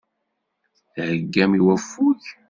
Theggam i waffug.